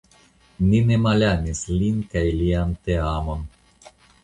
Ni ne malamis lin kaj lian teamon.